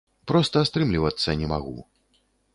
Проста стрымлівацца не магу.